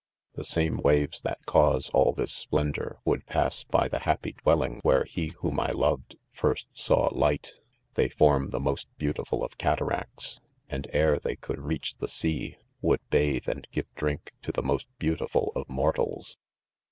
6 The same waves that cause all this splen? dour wouldpass by the happy dwelling where he whom I loved, first saw light. They form the most beautiful of cataracts, and. ere they could reach, the sea., would bathe and give drink to the most beautiful of mortals